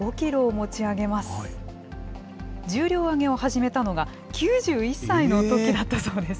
重量挙げを始めたのが９１歳のときだったそうです。